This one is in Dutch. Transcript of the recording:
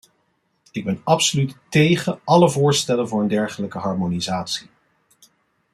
Ik ben absoluut tegen alle voorstellen voor een dergelijke harmonisatie.